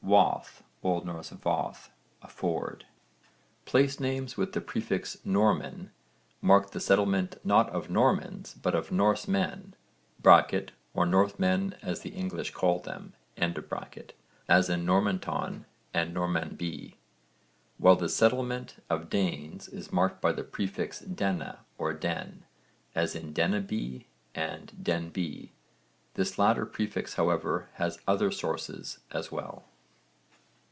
WATH. O.N. vað, a ford. Place names with the prefix Norman mark the settlement not of Normans but of Norsemen (or Northmen as the English called them), as in Normanton and Normanby, while the settlement of Danes is marked by the prefix Dena or Den as in Denaby and Denby. This latter prefix however has other sources as well.